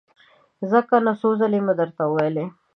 ځه کنه! څو ځلې مې درته وويل!